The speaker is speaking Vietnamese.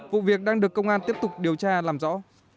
vụ việc đang được công an tiếp tục điều tra làm rõ